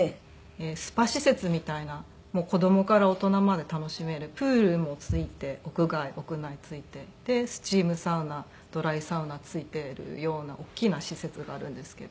スパ施設みたいな子供から大人まで楽しめるプールも付いて屋外屋内付いてでスチームサウナドライサウナ付いているような大きな施設があるんですけど。